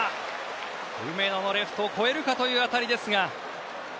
梅野のレフトを越えるかという当たりですが。